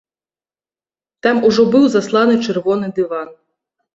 Там ужо быў засланы чырвоны дыван.